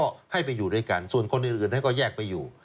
ก็ให้ไปอยู่ด้วยกันส่วนคนอื่นให้ก็แยกไปอยู่